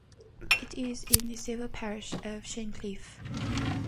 It is in the civil parish of Shincliffe.